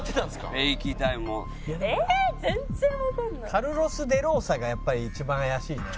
カルロス・デローサがやっぱり一番怪しいね。